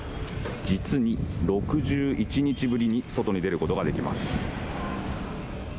実に６１日ぶりに外に出ることができます。